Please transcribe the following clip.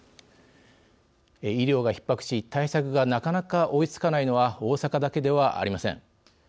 医療がひっ迫し対策がなかなか追いつかないのは大阪だけではありません。